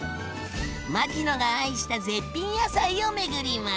牧野が愛した絶品野菜を巡ります。